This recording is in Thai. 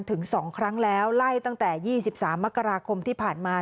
ถึง๒ครั้งแล้วไล่ตั้งแต่๒๓มกราคมที่ผ่านมา